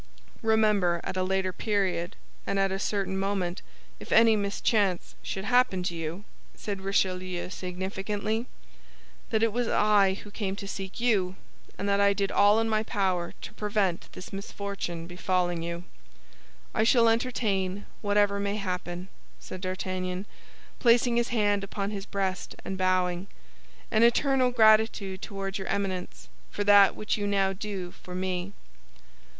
"Remember at a later period and at a certain moment, if any mischance should happen to you," said Richelieu, significantly, "that it was I who came to seek you, and that I did all in my power to prevent this misfortune befalling you." "I shall entertain, whatever may happen," said D'Artagnan, placing his hand upon his breast and bowing, "an eternal gratitude toward your Eminence for that which you now do for me."